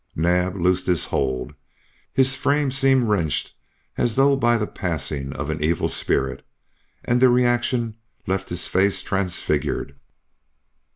Naab loosed his hold. His frame seemed wrenched as though by the passing of an evil spirit, and the reaction left his face transfigured.